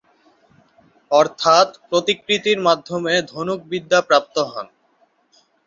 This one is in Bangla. অর্থাৎ প্রতিকৃতির মাধ্যমে ধনুক বিদ্যা প্রাপ্ত হন।